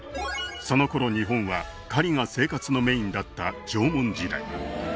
その頃日本は狩りが生活のメインだった縄文時代